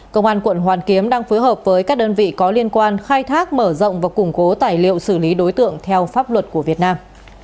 công an quận hoàn kiếm đang phối hợp với các đơn vị có liên quan khai thác mở rộng và củng cố tài liệu xử lý đối tượng theo pháp luật của việt nam